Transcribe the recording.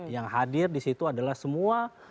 yang hadir di situ adalah semua